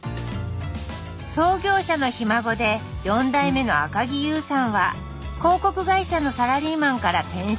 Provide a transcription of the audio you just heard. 創業者のひ孫で４代目の赤木優さんは広告会社のサラリーマンから転身。